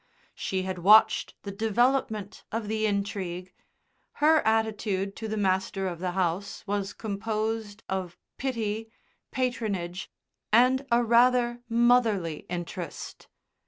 She had watched the development of the intrigue; her attitude to the master of the house was composed of pity, patronage, and a rather motherly interest.